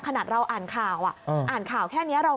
ขนาดเราอ่านข่าวอ่านข่าวแค่นี้